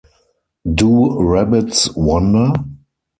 Do Rabbits Wonder?